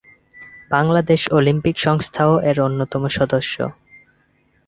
Bangladesh Olympic সংস্থাও এর অন্যতম সদস্য।